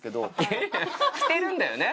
着てるんだよね？